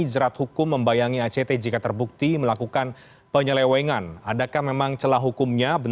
jadi rehan saya silahkan